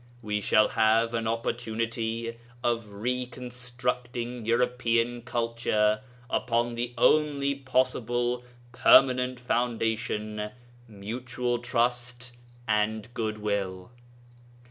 We shall have an opportunity of reconstructing European culture upon the only possible permanent foundation mutual trust and good will.